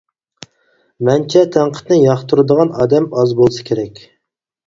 مەنچە تەنقىدنى ياقتۇرىدىغان ئادەم ئاز بولسا كېرەك.